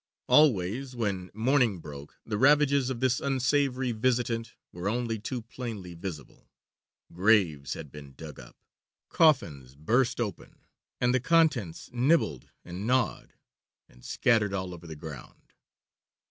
Always when morning broke the ravages of this unsavoury visitant were only too plainly visible graves had been dug up, coffins burst open, and the contents nibbled, and gnawed, and scattered all over the ground.